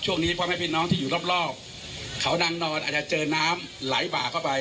พ่อแม่พี่น้องที่อยู่รอบเขานางนอนอาจจะเจอน้ำไหลบ่าเข้าไป